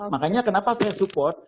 makanya kenapa saya support